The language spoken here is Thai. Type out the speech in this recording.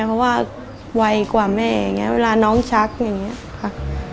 เพราะว่าไวกว่าแม่อย่างนี้เวลาน้องชักอย่างนี้ค่ะ